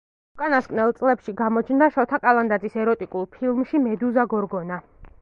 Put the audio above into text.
უკანასკნელ წლებში გამოჩნდა შოთა კალანდაძის ეროტიკულ ფილმში „მედუზა გორგონა“.